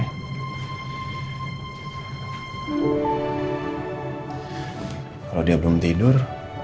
kalau dia belum tidur